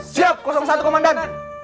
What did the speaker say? siap satu komandan